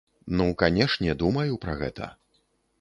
Ну, канешне, думаю пра гэта.